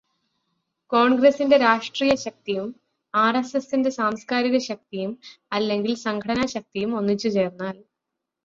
കോണ്ഗ്രസിന്റെ രാഷ്ട്രീയശക്തിയും ആര്എസ്എസിന്റെ സാംസ്കാരികശക്തിയും അല്ലെങ്കിൽ സംഘടനാശക്തിയും ഒന്നിച്ചുചേര്ന്നാല്